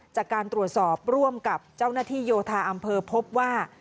จากการตรวจสอบร่วมกับเจ้าหน้าที่โยธาอำเภอพบว่า